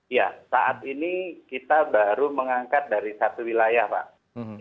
iya saat ini kita baru mengangkat dari satu wilayah pak